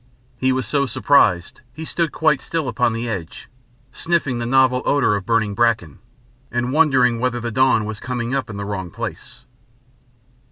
He was so surprised he stood quite still upon the edge, sniffing the novel odour of burning bracken, and wondering whether the dawn was coming up in the wrong place.